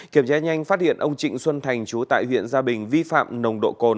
kiểm tra nhanh phát hiện ông trịnh xuân thành chú tại huyện gia bình vi phạm nồng độ cồn